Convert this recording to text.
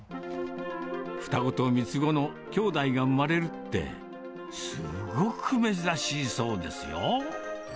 双子と三つ子のきょうだいが産まれるって、すごく珍しいそうですよ。